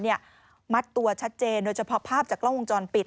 จะมาตัวชัดเจนโดยจะพอภาพจากกล้องวงจรปิด